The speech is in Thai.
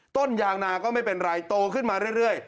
ต้นยางนาก็ไม่เป็นไรโตขึ้นมาเรื่อย